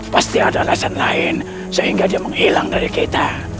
pasti ada alasan lain sehingga dia menghilang dari kita